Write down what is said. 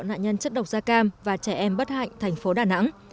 nạn nhân chất độc da cam và trẻ em bất hạnh thành phố đà nẵng